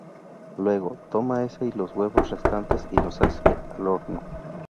Luego, toma ese y los huevos restantes y los hace al horno.